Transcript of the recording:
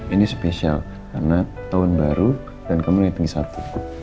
ini spesial karena tahun baru dan kamu yang tinggi satu